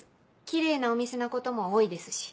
きれいなお店のことも多いですし。